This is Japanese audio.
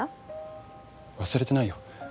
忘れてないよ。